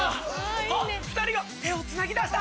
あっ２人が手をつなぎだした。